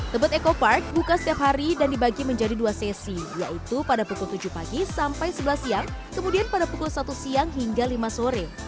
tebet eco park buka setiap hari dan dibagi menjadi dua sesi yaitu pada pukul tujuh pagi sampai sebelas siang kemudian pada pukul satu siang hingga lima sore